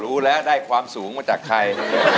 รู้แล้วได้ความสูงมาจากใคร